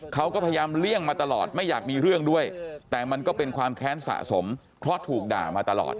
เขาก็พยายามเลี่ยงมาตลอดไม่อยากมีเรื่องด้วยแต่มันก็เป็นความแค้นสะสมเพราะถูกด่ามาตลอด